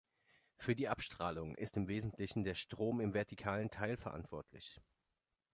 Für die Abstrahlung ist im Wesentlichen der Strom im vertikalen Teil verantwortlich.